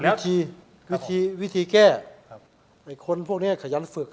วิธีแก้คนพวกนี้ขยันฝึก